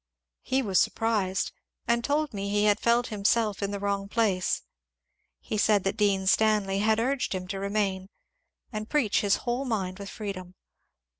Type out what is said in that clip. He was surprised, and told me he had felt himself in the wrong place. He said that Dean Stanley had urged him to remain and preach his whole mind with freedom.